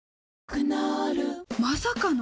クノールまさかの！？